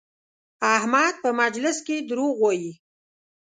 احمد په مجلس کې دروغ وایي؛